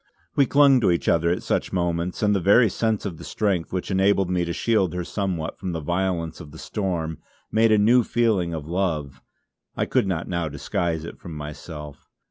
We clung to each other at such moments, and the very sense of the strength which enabled me to shield her somewhat from the violence of the storm, made a new feeling of love I could not now disguise it from myself.